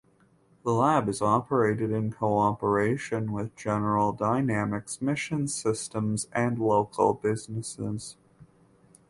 The lab is operated in cooperation with General Dynamics Mission Systems and local businesses.